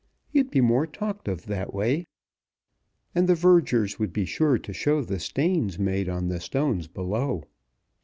You'd be more talked of that way, and the vergers would be sure to show the stains made on the stones below.